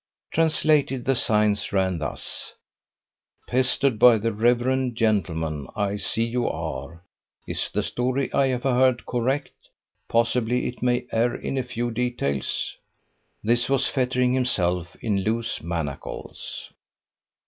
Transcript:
Translated, the signs ran thus: " Pestered by the Rev. gentleman: I see you are. Is the story I have heard correct? Possibly it may err in a few details." This was fettering himself in loose manacles.